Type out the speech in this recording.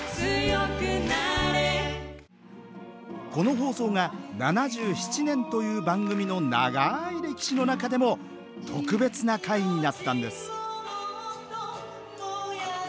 この放送が７７年という番組の長い歴史の中でも特別な回になったんです